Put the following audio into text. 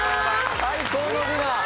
最高のディナー！